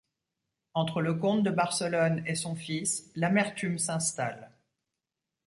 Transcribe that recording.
Entre le comte de Barcelone et son fils, l'amertume s'installe.